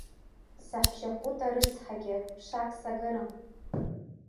Саҳәшьа Хәыта рыцҳагьы, ԥшак сагарым.